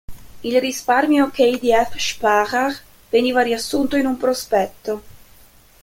Il risparmio "KdF-Sparer" veniva riassunto in un prospetto.